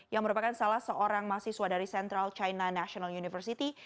yang merupakan salah seorang mahasiswa dari central china national university